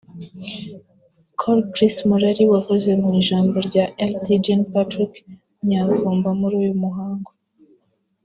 Col Chris Murari wavuze mu ijambo rya Lt Gen Patrick Nyamvumba muri uyu muhango